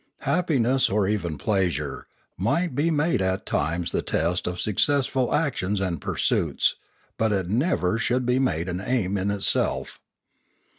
Happiness, or even pleasure, might be made at times the test of suc cessful actions and pursuits; but it never should be made an aim in itself.